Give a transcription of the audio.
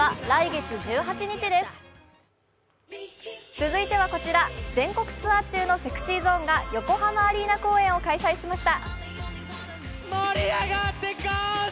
続いてはこちら全国ツアー中のＳｅｘｙＺｏｎｅが横浜アリーナ公演を開催しました。